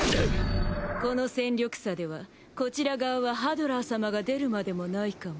この戦力差ではこちら側はハドラー様が出るまでもないかも。